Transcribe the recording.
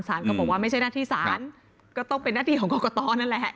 ก็บอกว่าไม่ใช่หน้าที่ศาลก็ต้องเป็นหน้าที่ของกรกตนั่นแหละ